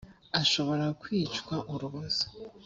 ashobora kwicwa urubozo.